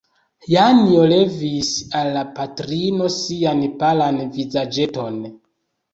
Janjo levis al la patrino sian palan vizaĝeton.